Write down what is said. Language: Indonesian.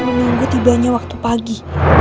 menunggu tibanya waktu pagi